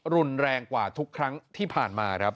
รุนแรงกว่าทุกครั้งที่ผ่านมาครับ